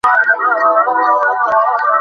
তারপর বাগানে হাঁটতে বের হলাম।